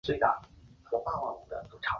干草市场车站是苏格兰第八繁忙的车站。